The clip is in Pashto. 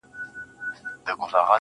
• د اله زار خبري ډېري ښې دي.